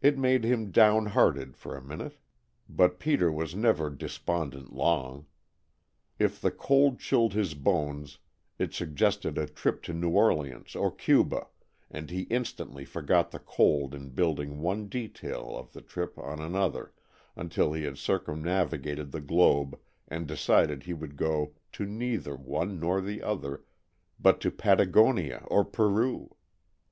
It made him down hearted for a minute, but Peter was never despondent long. If the cold chilled his bones it suggested a trip to New Orleans or Cuba, and he instantly forgot the cold in building one detail of the trip on another, until he had circumnavigated the globe and decided he would go to neither one nor the other, but to Patagonia or Peru.